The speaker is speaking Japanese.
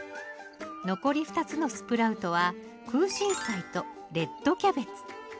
残り２つのスプラウトはクウシンサイとレッドキャベツ。